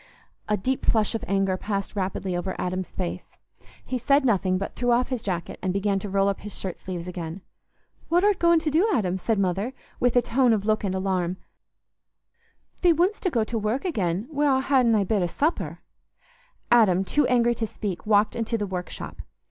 A deep flush of anger passed rapidly over Adam's face. He said nothing, but threw off his jacket and began to roll up his shirt sleeves again. "What art goin' to do, Adam?" said the mother, with a tone and look of alarm. "Thee wouldstna go to work again, wi'out ha'in thy bit o' supper?" Adam, too angry to speak, walked into the workshop.